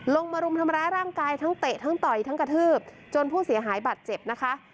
รุมทำร้ายร่างกายทั้งเตะทั้งต่อยทั้งกระทืบจนผู้เสียหายบัตรเจ็บนะคะ